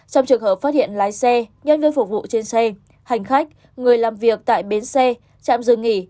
trong trường hợp phát hiện lái xe nhân viên phục vụ trên xe hành khách người làm việc tại bến xe trạm dừng nghỉ